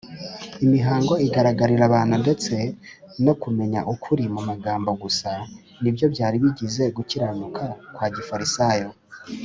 imihango igaragarira abantu ndetse no kumenya ukuri mu magambo gusa ni byo byari bigize gukiranuka kwa gifarisayo